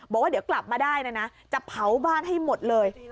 บอกว่าเดี๋ยวกลับมาได้นะนะจะเผาบ้านให้หมดเลย